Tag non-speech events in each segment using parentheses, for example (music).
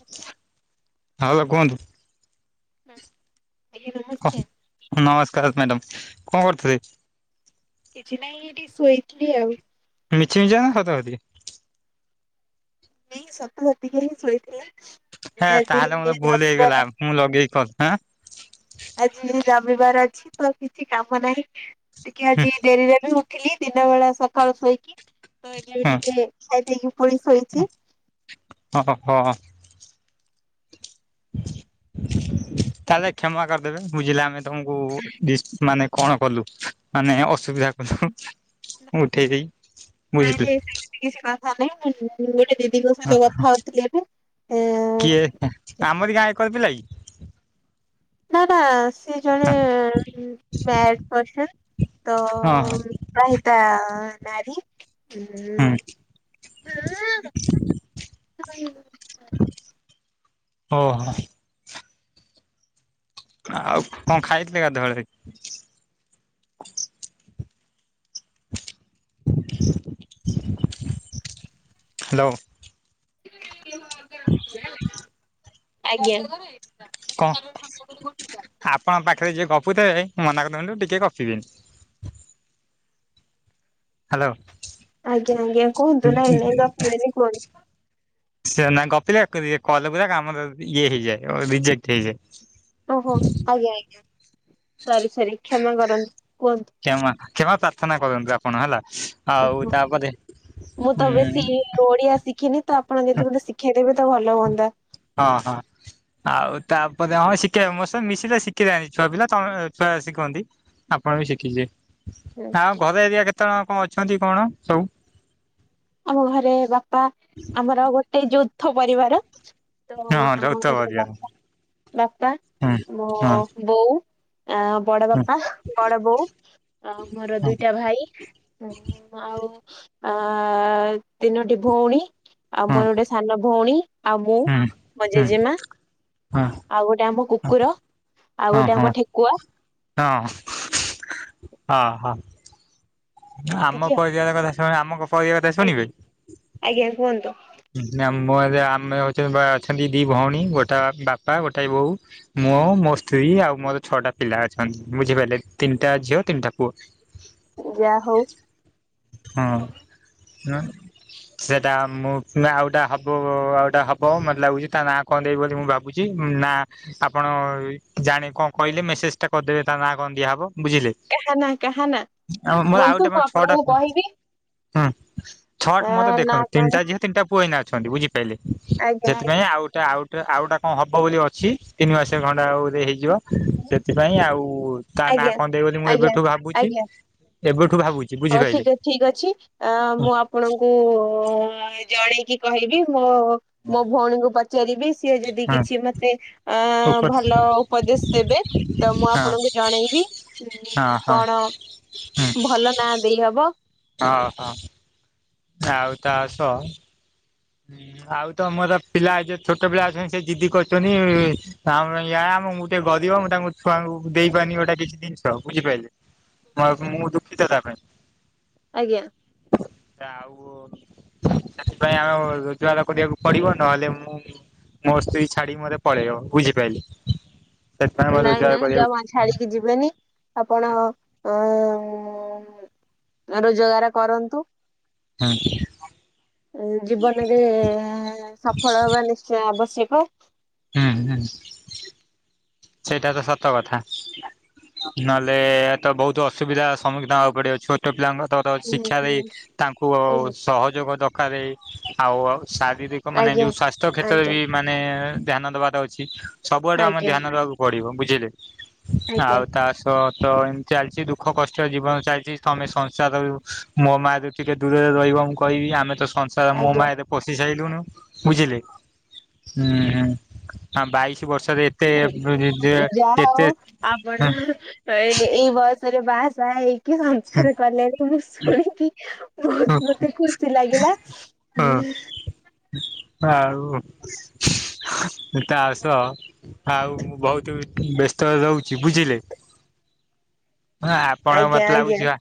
Hello hello, କୁହନ୍ତୁ? ଆଜ୍ଞା, ହ ନମସ୍କାର। ନମସ୍କାର ମାଡ଼ାମ୍, କଣ କରୁଥିଲେ? କିଛି ନାଇଁ, ଏଇଠି ଶୋଇଥିଲି ଆଉ। ମିଛି ମିଛିକା ନା, ସତ ସତିକା? ନାଇଁ ସତ ସତିକା ହିଁ ଶୋଇଥିଲା। ହେ ତାହେଲେ ମତେ ଭୁଲ ହେଇଗଲା, ମୁଁ ଲଗେଇକି କଲ୍ ଆଁ ଆଜି ରବିବାର ଅଛି, ତ କିଛି କାମ ନାହିଁ, ଟିକେ ଆଜି ଡେରିରେ ବି ଉଠ ଉଠିଲି ଦିନ ବେଳା ସକାଳୁ ଶୋଇକି, ତ ଏବେ ହୁଁ ଟିକେ ଖାଇକି ପୁଣି ଶୋଇଚି। ଓହୋ। ତାହେଲେ କ୍ଷମା କରିଦେବେ, ବୁଝିଲେ ଆମେ ତମକୁ ଡିସ୍ ମାନେ କଣ କଲୁ, ମାନେ ଅସୁବିଧା କଲୁ, ମୁଁ ଉଠେଇ ଦେଇ ବୁଝିଥିଲି। ସେମତି କିଛି କଥା ନାହିଁ, ମୁଁ ଗୋଟେ ଦିଦିଙ୍କ ହଁ ସହିତ କଥା ହଉଥିଲି ଏବେ, ଏ କିଏ ଆମରି ଗାଁ ଏକର ପିଲା କି? ନା ନା ସେ ଜଣେ ମ-ମ ମ୍ୟାଡ୍ ପର୍ସନ୍, ତ ହଁ ବିବାହିତା ନାରୀ। ହୁଁ (unintelligible) ଓହୋ। ଆଉ କଣ ଖାଇଥିଲେ ଗାଧୁଆଳେରେ? ହାଲୋ। ଆଜ୍ଞା। କଣ ଆପଣଙ୍କ ପାଖରେ ଯିଏ ଗପୁଥେବେ, ମନା କରିଦିଅନ୍ତୁ ଟିକେ ଗପିବେନି। ହାଲୋ। ଆଜ୍ଞା ଆଜ୍ଞା କୁହନ୍ତୁ? ନାଇଁ ନାଇଁ ଗପିବେନି କୁହନ୍ତୁ? ସେ ନା ଗପିଲେ, ଏ କଲ୍ ପୁରା କାମ ଦଉନି ଇଏ ହେଇଯାଏ, ରିଜେକ୍ଟ୍ ହେଇଯାଏ। ଓହୋ, ଆଜ୍ଞା ଆଜ୍ଞା, ସରି ସରି, କ୍ଷମା କରନ୍ତୁ, କୁହନ୍ତୁ? ଖେମା ଖେମା ପାର୍ଥନା କରନ୍ତୁ ଆପଣ ହେଲା, ଆଉ ଓହୋ। ତାପରେ ମୁଁ ତ ଉଁ ବେଶୀ ଉଁ ଓଡିଆ ଶିଖିନି, ତ ଆପଣ ଯଦି ବୋଧେ ଶିଖେଇଦେବେ ତ ଭଲ ହୁଅନ୍ତା। ହଁ ହଁ। ଆଉ ତାପରେ, ହଁ ଶିଖେଇ ମୋ ସ ମିଶିଲେ ଶିଖି ଯାଆନ୍ତି ଛୁଆ ପିଲା, ତମେ ଛୁଆ ଶିଖନ୍ତି। ଆପଣ ବି ଶିଖିଯିବେ। ହୁଁ। ଆଉ ଘର ଏରିଆ କେତେ ଅଣ କଣ ଅଛନ୍ତି କଣ ସବୁ? ଆମ ଘରେ ବାପା, ଆମର ଗୋଟେ ଯୌଥ ପରିବାର। ତ ହଁ ଆମ ଯୌଥ ଘରେ ପରିବାର ହୁଁ ବାପା, ବାପା ହଁ ମୋ ହୁଁ ବୋଉ, ଆ ବଡବାପା, ବଡବୋଉ, ମୋର ହୁଁ ହୁଁ ଦୁଇଟା ଭାଇ ଆଉ ଆ ତିନୋଟି ଭଉଣୀ ଆଉ ହୁଁ। ହୁଁ ମୋର ଗୋଟେ ସାନ ଭଉଣୀ, ଆଉ ମୁଁ, ହଁ ହଁ ମୋ ହଁ ଜେଜେମା ଆଉ ଗୋଟେ ଆମ କୁକୁର, ଆଉ ହଁ ଗୋଟେ ହଁ। ଆମ ଠେକୁଆ। ହଁ, ହୋ, ହୋ। ନା ଏତିକି ଆମ ଆଉ କ-କଇବା କଥା ସେମାନେ ଆମ କ-କହିବା କଥା ଆଜ୍ଞା ଶୁଣିବେ? ଆଜ୍ଞା କୁହନ୍ତୁ। ନା ମୋର ଆମେ ଅଛେ ବା ଅଛନ୍ତି ଦି ଭଉଣୀ ଗୋଟା ବାପା ଗୋଟାଏ ବୋଉ। ମୁଁ ମୋ ସ୍ତ୍ରୀ ଆଉ ମୋର ଛଅଟା ପିଲା ଅଛନ୍ତି ବୁଝିପାରିଲେ? ତିନିଟା ଝିଅ, ତିନିଟା ପୁଅ। ଯା ହଉ। ହଁ ନାଇଁ ସେଟା ମୁଁ ନା ଆଉ ଗୋଟା ହବ ଆଉ ଗୋଟା ହବ। ମୋତେ ଲାଗୁଛି ତା ନାଁ କଣ ଦେବି ବୋଲି ମୁଁ ଭାବୁଛି। ନାଁ ଆପଣ ଜାଣେ କଣ କହିଲେ ମେସେସ୍ ଟା କରିଦେବେ ତା ନାଁ କଣ ଦିଆହବ ବୁଝିଲେ? କାହା ନାଁ କାହା ନାଁ ଆଉ ମୋର ଆଉ ହୁହନ୍ତୁ ଗୋଟେ ମୁଁ ଛଅଟା ଆପଣଙ୍କୁ କହିବି। ହୁଁ, ଛଅ ଆ ମୋତେ ନା ଦେଖନ୍ତୁ ତିନିଟା କଣ ଝିଅ ତିନିଟା ପୁଅ ଏଇନା ଅଛନ୍ତି। ବୁଝି ପାଇଲେ, ଆଜ୍ଞା ସେଥିପାଇଁ ଆଜ୍ଞା ଆଉ ଟା ଆଉଟେ ଆଉ ଗୋଟା କଣ ହବ ବୋଲି ଅଛି ତିନି ମାସେ ଖଣ୍ଡେ ଆଉ ବୋଧେ ହେଇଯିବ। ସେଥିପାଇଁ ଆଉ ତା ନାଁ ଆଜ୍ଞା କଣ ଦେବି ବୋଲି ମୁଁ ଆଜ୍ଞା ଏବେଠୁ ଭାବୁଛି। ଆଜ୍ଞା ଏବେଠୁ ଭାବୁ ଚି ହଉ ବୁଝିପାଇଲେ? ଠିକ ଠିକ ଅଛି ଅ, ହଁ ମୁଁ ଆପଣଙ୍କୁ ଅ, (unintelligible) ଜଣେଇକି କହିବି। ହଁ ମୋ ଭଉଣୀଙ୍କୁ ପଚାରିବି ସିଏ ଯଦି କିଛି ମୋତେ ଅ, ଉପର ଭଲ ଉପଦେଶ ଦେବେ। ତ ମୁଁ ହଁ ଆପଣଙ୍କୁ ଜଣେଇବି। ହଁ, ହଁ। କଣ ହୁଁ ଭଲ ନାଁ ଦେଇହବ। ହଁ, ହଁ। ଆଉ ତା ସଅ ହୁଁ, ଆଉ ତ ମୋର ପିଲା ଏ ଯେ ଛୋଟ ପିଲା ଅଛନ୍ତି ସେ ଜିଦି କରଚନ୍ତି। ଆମ ୟା ଆମ ମୁଁ ଟିକେ ଗରିବ ମୁଁ ତାଙ୍କୁ ଛୁଆଙ୍କୁ ଦେଇପାରନି ଗୋଟା କିଛି ଦିନିଷ ବୁଝିପାଇଲେ। ହଁ ତ ମୁଁ ଦୁଃଖିତ ତା ପାଇଁ। ଆଜ୍ଞା। ଆଉ ସେଥିପାଇଁ ଆମେ ହ ରୁଜଗାର କରିବାକୁ ପଡିବ ନହେଲେ ମୁଁ ମୋ ସ୍ତ୍ରୀ ଛାଡିକି ମୋତେ ପଳେଇବ। ବୁଝିପାଇଲେ? ସେଥିପାଇଁ ମୋତେ ନାଇଁ ରୋଜଗାର ନାଇଁ କରିବାକୁ ଜମା ଛାଡିକି ଯିବେନି ଆପଣ ଅ, ରୋଜଗାର କରନ୍ତୁ। ହଁ (inaudible) ଏଇ ଜୀବନରେ ସଫଳ ହବା ନିଶ୍ଚୟ ଆବଶ୍ୟକ। ହୁଁ, ହୁଁ ସେଇଟା ତ ସତ କଥା। ନହେଲେ ତ ବହୁତ ଅସୁବିଧା ସମ୍ମୁଖୀନ ହବା ପଡିବ। ଛୋଟ ପିଲାଙ୍କ ତ ତ ଶିକ୍ଷାାରେ ଆଜ୍ଞା ତାଙ୍କୁ ଅ, ସହଯୋଗ ଦରକାରେ ଆଉ ଅ, ଶାରୀରି କ ମାନେ ଆଜ୍ଞା ଯୋଉ ସ୍ଵାସ୍ଥ୍ୟ କ୍ଷେତ୍ରରେ ଆଜ୍ଞା ବି ମାନେ ଧ୍ୟାନ ଦବାର ଅଛି। ସବୁଆଡୁ ଆମେ ଆଜ୍ଞା ଧ୍ୟାନ ଦବାକୁ ପଡ଼ିବ ବୁଝିଲେ। ଆଜ୍ଞା ଆଉ ତା ତ ତ ଏମିତି ଚାଲିଛି ଦୁଃଖ କଷ୍ଟ ଜୀବନ ଚାଲିଛି। ତୋମେ ସଂସାର ରୁ ମୋ ମାୟା ରୁ ଟିକେ ଦୂରରେ ରହିବ ମୁଁ କହିବି। ଆମେ ତ ସଂସ ତ ମୋ ଆଜ୍ଞା ମାୟାରେ ପଶି ସାଇଲୁଣୁ ବୁଝିଲେ, ହୁଁ, ହୁଁ। ହଁ ବାଇଶି ବର୍ଷରେ ହେଇ ଓ ଯାହାର ଏତେ ଆପଣ ତ ଇଏ-ଏଇ ବୟସରେ ବାହାସହା ହେଇକି ସଂସାର କଲେଣି ମୁଁ ଶୁଣିକି, ବହୁତ୍ ମତେ ଖୁସି ଲାଗିଲା ହୁଁ, ତ ଆଉ ତା ସହ, ଆଉ ମୁଁ ବହୁତ୍ ତ ବ୍ୟସ୍ତ ରହୁଛି ବୁଝିଲେ? ହଁ ଆପଣଙ୍କ ଆଜ୍ଞା ମତେ ଆଜ୍ଞା ଲାଗୁଛି ବା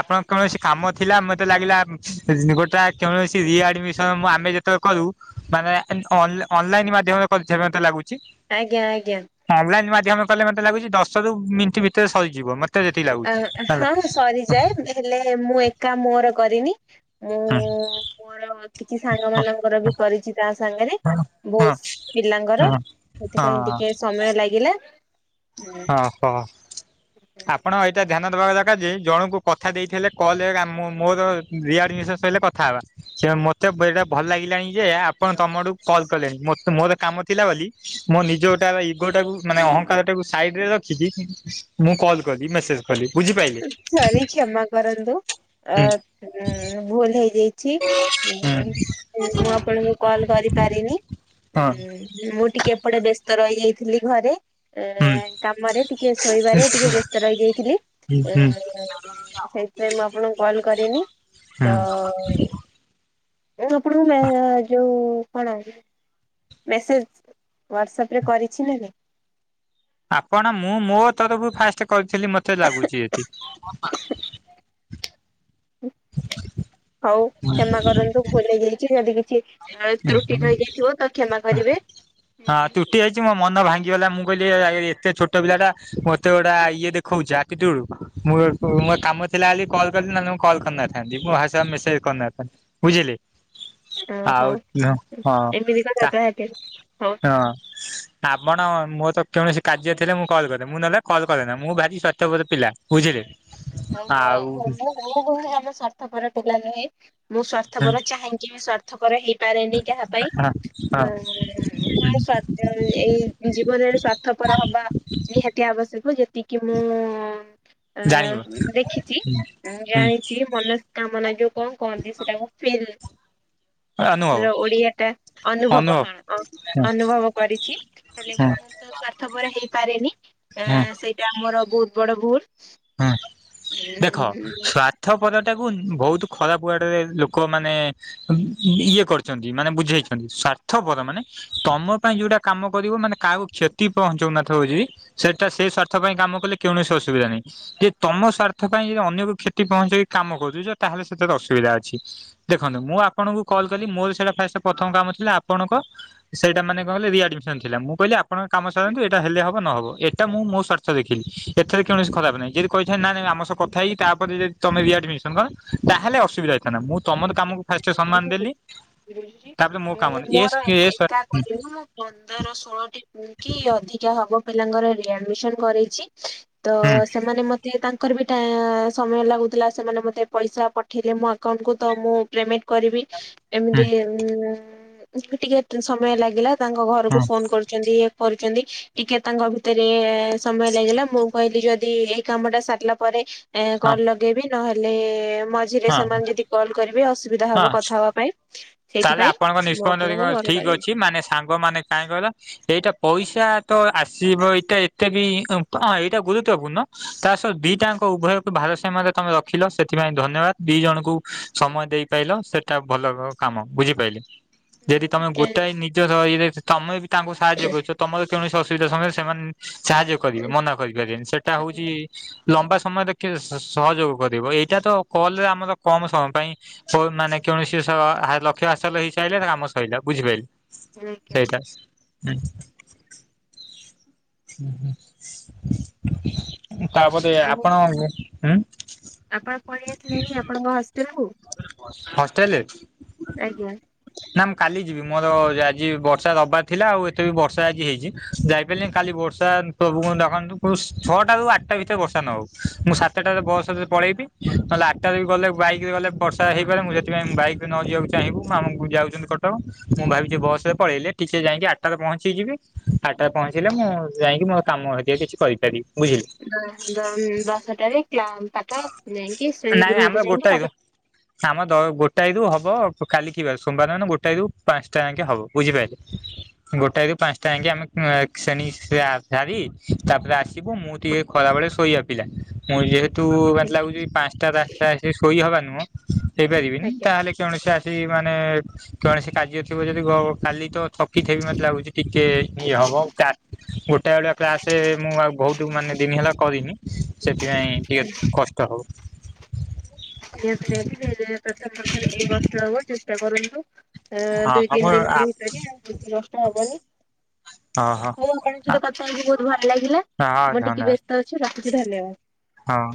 ଆପଣଙ୍କ କୌଣସି କାମ ଥିଲା ମତେ ଲାଗିଲା ଉମ ଗୋଟା କୌଣସି ରିଆଡମିସନ ମୁଁ ଆମେ ଯେ ତ କରୁ ମାନେ ଅନ୍ ଅନଲାଇନ୍ ମାଧ୍ୟମରେ କରୁଛେ ମତେ ଲାଗୁଛି? ଆଜ୍ଞା-ଆଜ୍ଞା, ଅନଲାଇନ୍ ମାଧ୍ୟମରେ କଲେ ମତେ ଲାଗୁଛି ଦଶ ରୁ ମିନିଟ୍ ଭିତରେ ସରିଯିବ ମତ୍ ତେ ଯେତିକି ଆ ଲାଗୁଛି ହେଲା ହଁ ହୁଁ, ସରିଯାଏ ହେଲେ ମୁଁ ଏକା ମୋର କରିନି, ମୁଁ ଆଁ, ମୋର କିଛି ସାଙ୍ଗ ମାନଙ୍କର ବି କରିଛି ତା ସ୍ ସାଙ୍ଗରେ ବହୁସ୍ ପିଲାଙ୍କର ହଁ ହଁ ସେଥିପାଇଁ ଟିକେ ସମୟ ଲାଗିଲା, ଏଁ, ଓହୋ ଆପଣ ଏଇଟା ତ୍ ଧ୍ୟାନ ଦବା ଦରକାର ଯେ ଜଣଙ୍କୁ କଥା ଦେଇଥିଲେ କଲରେ ଆମ ମୁଁ ମୋ ରିଆଡ୍ମିଶନ ସରିଲେ କଥା ହେବା, ଯେ ମତେ ଏଇଟା ଭଲ ଲାଗିଲାଣି ଯେ ଆପଣ ତମ ଥୁ କଲ୍ କଲେଣି ମୋତେ ମୋରେ, କାମ ଥିଲା ବୋଲି ମୋ ନିଜ ଗୋଟା ଇଗୋଟାକୁ ମାନେ ଅହଂଙ୍କାର ଟାକୁ, ସାଇଡରେ ରଖିଛି ମୁଁ କଲ୍ କଲି ମେସେଜ, କଲି ବୁଝିପାଇଲେ ଉଁ ସରି କ୍ଷମା କରନ୍ତୁ ଅ ହୁଁ ଉଁ ଭୁଲ ହେଇଯାଇ ଅଛି ହୁଁ ମୁଁ ହୁଁ ଆପଣଙ୍କୁ କଲ୍ କରିପାରିନି ହଁ। ହୁଁ, ମୁଁ ଟିକେ ଏପଟେ ବ୍ୟସ୍ତ ରହିଯାଇଥିଲି ଘରେ, ଏଇ ହୁଁ କାମରେ ଟିକେ ଶୋଇବାରେ ଟିକେ ବ୍ୟସ୍ତ ରହିଯାଇଥିଲି, ହୁଁ ଏଇଁ ସେଇଥିପାଇଁ ମୁଁ ଆପଣଙ୍କୁ କଲ୍ କରିନି ତ, ହୁଁ (unintelligible) ମେସେଜ ୱାଳସାପ ରେ କରିଛି ନା ନାଇଁ? ଆପଣ ମୁଁ ମୋ ତରଫରୁ ଫାଷ୍ଟ କରିଥିଲି ମତେ ଲାଗୁଛି ଏଠି, ହୁଁ ହଉ କ୍ଷମା କରନ୍ତୁ ଭୁଲ ହେଇଯାଇଛି ଯଦି କିଛି, ଆଉ ତ୍ରୁଟି ରହିଯାଇଥିବ ତ କ୍ଷମା କରିବେ, ହଁ ତ୍ରୁଟି ହେଇଛି ମୋ ମନ ଭାଙ୍ଗିଗଲା ମୁଁ କହିଲି ଏ ଏତେ ଏ ଛୋଟ ପିଲା ଟା ମତେ ଗୋଟା ଆ ଇଏ ଦେ ଖ ଖୁଛ ଆଟିଟୁଇଟ୍ ମୁଁ ମୋ କାମ ଥିଲା ବୋଲି କଲ୍ କଲି ନହେଲେ ମୁ କଲ କରି ନଥାନ୍ତି ମୋ ଭାଷା ମେସେଚ୍, କରି ନ ଥାଆନ୍ତି ବୁଝିଲି? ଓହୋ ଆଉ ଉମ ହଁ ଏମିତି କଥା ତା ତାହେଲେ ହଉ। ହଁ, ଆପଣ ମୋର ତ କୌଣସି କାର୍ଯ୍ୟ ଥିଲେ ମୁଁ କଲ୍ କରେ ମୁଁ ନହେଲେ କଲ୍ କରେନା ମୁଁ ଭାରି ସ୍ୱାର୍ଥପର ପିଲା ବୁଝିଲେ, ଆଉ? ହଉ-ହଉ ଆମେ ସ୍ୱାର୍ଥପରା ପିଲା ନୁହେଁ, ମୁଁ ହଁ ସ୍ଵାର୍ଥପର ଚାହିଁକି ବି ସ୍ଵାର୍ଥପର ହେଇପାରେନି କାହା ପାଇଁ ହଁ ଉମ୍, ଉମ୍ ନାଇଁ ସାର୍ଥ ଏଇ ଜୀବନରେ ସ୍ଵାର୍ଥପର ପରା ହବା, ନିହାତି ଆବଶ୍ୟକ ଯେତିକି ମୁଁ ଅ, ଜାଣିବ ଦେଖିଛି ମୁଁ ହୁଁ ଜାଣିଛି ମନସ୍କାମନା ଯୋଉ, କଁ କହନ୍ତି ସେଟା କୁ ଫିଲ୍? ଅନୁଭବ ର ଓଡ଼ିଆ ଟା ଅନୁଭବ ହୁଁ ହଁ ହୁଁ ଅନୁଭବ କରିଛି, ତାଲେ ମୁଁ ହୁଁ ତ ସ୍ଵାର୍ଥ ପର ହେଇପାରେନି ଏ ହୁଁ ସେଇଟା ମୋର ବହୁତ୍ ବଡ଼ ଭୁଲ, ହୁଁ ଦେଖ ସ୍ୱାର୍ଥ୍ ସ୍ୱାର୍ଥପର ଟାକୁ ବହୁତ ଖରାପ ୱାଡ୍ ରେ ଲୋକମାନେ ଇଏ କରିଛନ୍ତି ମାନେ ବୁଝେଇଛନ୍ତି ସ୍ୱାର୍ଥପର ମାନେ ତମ ପାଇଁ ଯୋଉଟା କାମ କରିବ ମାନେ କାହାକୁ କ୍ଷତି ପହଁଚଉ ନଥିବ ଜି ସେଟା ସେ ସ୍ୱାର୍ଥ ପାଇଁ କାମ କଲେ କୌଣସି ଅସୁବିଧା ନାହିଁ। ଯେ ତମ ସ୍ଵାର୍ଥ ପାଇଁ ଯଦି ଅନ୍ୟକୁ କ୍ଷତି ପହଁଞ୍ଚେଇକି କାମ କରୁଛ ତାହେଲେ ସେଥିରେ ଅସୁବିଧା ଅଛି। ଦେଖନ୍ତୁ ମୁଁ ଆପଣଙ୍କୁ କଲ କଲି ମୋର ସେଇଟା ଫାଷ୍ଟ ପ୍ରଥମ କାମ ଥିଲା, ଆପଣଙ୍କ ସେଇଟା ମାନେ କଣ କହିଲେ ରିଆଡମିସନଥିଲା, ମୁଁ କହିଲି ଆ ଆପଣ ଙ୍କ କାମ ସାରନ୍ତୁ ଏଟା ହେଲେ ହବ ନହବ ଏଟା ମୁଁ ମୋ ସ୍ୱାର୍ଥ ଦେଖି ଏଥିରେ କୌଣସି ଖରାପ ନାଇଁ ଯଦି କହିଥାନ୍ତି, ନାଇଁ ନାଇଁ ଆମ ସହ କଥା ହେଇ, ତାପରେ ଯଦି ତମେ ରିଆଡିମିସନ କର ତାହେଲେ ଅସୁବିଧା (unintelligible) ମୁଁ ତମର କାମକୁ ଫାଷ୍ଟ ସମ୍ମାନ ଦେଲି। ତାପରେ ମୋ କାମ ମୁଁ ଏ ମୋର ଏକା କରିନି ମୁଁ ପନ୍ଦର ଷୋଳ ଟି କି ଅଧିକା ହବ ପିଲାଙ୍କର ରିଆଡମିସନ କରେଇଛି, ତ ହୁଁ ହୁଁ ସେମାନେ ମତେ ତାଙ୍କ କରିବା ଟା ସମୟ ଲାଗୁଥିଲା, ସେମାନେ ମତେ ପଇସା ପଠେଇଲେ ମୋ ଆକାଉଣ୍ଟକୁ ତ ମୁଁ ପେମେଣ୍ଟ କରିବି ହୁଁ ଏମିତି ଉ ଟିକେ ସମୟ ଲାଗିଲା। ତାଙ୍କ ଘରକୁ ଫୋନ କରୁଛନ୍ତି କରୁଛନ୍ତି, ଟିକେ ତାଙ୍କ ଭିତରେ ସମୟ ଲାଗିଲା ମୁଁ କହିଲି ଯଦି ଏଇ କାମଟା ସାରିଲା ପରେ ହଁ କଲ ଦେବି ନହେଲେ ମଝିରେ ହଁ ସେମାନେ ଯଦି କଲ କରିବେ ଅସୁବିଧା ହଁ ହବ କଥା ହବା ପାଇଁ। ତାହେଲେ ସେଇଥିପାଇଁ ଆପଣଙ୍କ ମୁଁ ନିଷ୍ପତ୍ତି ଆପଣଙ୍କୁ କଲ୍ ଠିକ ଅଛି ମାନେ ସାଙ୍ଗମାନେ କାହିଁ କହିଲ? ଏଇଟା ପଇସା ତ ଆସିବ ଏଇଟା ଏତେ ବି କଣ ଏଇଟା ଗୁରୁତ୍ୱପୂର୍ଣ୍ଣ? ତା ସହ ଦିଟା ଯାଙ୍କ ଉଭୟକୁ ଭାରସମାରେ ତମେ ରଖିଲ ସେଥିପାଇଁ ଧନ୍ୟବାଦ ଦି ଜଣଙ୍କୁ। ସମୟ ଦେଇପାଇଲ ସେଇଟା ଭଲ କାମ ବୁଝିପାଇଲେ, ଯଦି ତମେ ଗୋଟାଏ କରିବି। ନିଜର ଇଏ ତମେ ବି ତାଙ୍କୁ ସାହାଯ୍ୟ କରୁଛ। ତମର କୌଣସି ଅସୁବିଧା ସମୟରେ ସେମାନେ ସାହାଯ୍ୟ କରିବେ ମନା କରିପାରିବେନି, ସେଟା ହଉଛି ଲମ୍ବା ସମୟ ଦେଖି ସହଯୋଗ କରିବ, ଏଇଟା ତ କଲରେ ଆମର କମ ସମୟ ପାଇଁ। ଓ ନାଇଁ ନାଇଁ କୌଣସି ସ ତାହାର ଲକ୍ଷ୍ୟ ହାସଲ ହେଇ ସାଇଲେ ତା କାମ ସରିଲା ବୁଝିପାରିଲି ସେଇଟା। (unintelligible) ତାପରେ ଆଉ ଆପଣ ମାନଙ୍କୁ ହୁଁ ଆପଣ ପଳେଇ ଆସିଲେଣି ଆପଣଙ୍କ ହଷ୍ଟେଲ କୁ? ହଷ୍ଟେଲରେ ଆଜ୍ଞା। ନା ମୁଁ କାଲି ଯିବି ମୋର ଆଜି ବର୍ଷା ହବାର ଥିଲା, ଆଉ ଏତେ ବି ବର୍ଷା ଆଜି ହେଇଛି ଯାଇପାରିଲିନି କାଲି ଭୋ ପ୍ରଭୁଙ୍କୁ ଡାକନ୍ତୁ ଛଅଟା ରୁ ଆଠଟା ଭିତରେ ବର୍ଷା ନହଉ, ମୁଁ ସାତଟା ବସ ରେ ପଳେଇବି। ତାହେଲେ ଆଠଟାରେ ବି ଗଲେ ବାଇକରେ ଗଲେ ବର୍ଷା ହେଇପାରେ ମୁଁ ସେଥିପାଇଁ ବାଇକ୍ ନ ଯିବାକୁ ଚାହିଁବୁ ମାମୁଁ କୁ ଯାଉଛନ୍ତି କଟକ ମୁଁ ଭାବିଛି ବସରେ ପଳେଇଲେ ଟିକେ ଯାଇକି ଆ ଆଠଟାରେ ପହଞ୍ଚିଯିବି ଆଠଟାରେ ପହଞ୍ଚିଲେ ମୁଁ ଯାଇକି ମୋର କାମ ହେ କିଛି କରିପାରିବି ବୁଝିଲେ। ଦଶଟାରେ ପାଠ ଯାଇକି ଶ୍ରେଣୀ ନାଇଁ ଆମର ଗୃହକୁ ଯାଇକି ଗୋଟାଏରୁ ପାଠ ଆମ ଗୋଟାଏ ରୁ ହବ କାଲିି କି ବାରେ ସୋମବାର ନା ଗୋଟା ରୁ ପାଞ୍ଚଟା ଯାଙ୍କେ ହବ ବୁଝିପାରିଲେ। (unintelligible) ଗୋଟାଏ ରୁ ପାଞ୍ଚଟା ଯାକେ ଆମେ ଶ୍ରେଣୀ ଶିଆ ସାରି ତାପରେ ଆସିବୁ, ମୁଁ ଟିକେ ଖରାବେେଳେ ଶୋଇବା ପିଲା, ମୁଁ ଯେହେ ତୁ ମାନେ ଲାଗୁଛି ପାଞ୍ଚଟା ରୁ ଆଠଟା ଯାକେ ଶୋଇ ହବା ନୁହଁ ହେଇପାରିବିନି, ଆଜ୍ଞା ତାହେଲେ ଜଣେ ଆସି ମାନେ କୌଣସି କାର୍ଯ୍ୟ ଥିବ ଯଦି କାଲି ତ ଥକିଥିବେ ମତେ ଲାଗୁଛି ଟିକେ ଇଏ ହବ କା, ଗୋଟାଏ ବେଳେ କ୍ଲାସ ମୁଁ ଆଉ ବହୁତ ମାନେ ଦିନ ହେଲା କରିନି ସେଥିପାଇଁ ଟି (unintelligible) କଷ୍ଟ ହଉ। (unintelligible) କଷ୍ଟ ହବ ଯେତେ କରୁଛୁ। ଆଁ ହଁ ଦୁଇ ହଁ ତିନି ମୁଁ ଦିନ ଭିତରେ ଆଉ ଦୁଇ (unintelligible) ହବନି। ଓହୋ ହଁ ମୁଁ ଆପଣଙ୍କ ସହିତ କଥା ହେଇକି ବହୁତ ଭଲ ଲାଗିଲା ହଁ ମୁଁ ଟିକେ ଧନ୍ୟବାଦ ବ୍ୟସ୍ତ ଅଛି ରଖୁଚି ଧନ୍ୟବାଦ। ହଁ।